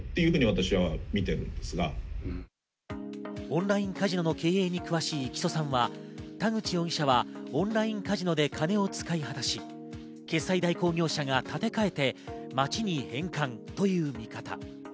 オンラインカジノの経営に詳しい木曽さんは、田口容疑者はオンラインカジノで金を使い果たし、決済代行業者が立て替えて、町に返還という見方。